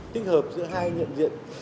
tích hợp giữa hai nhiệm diện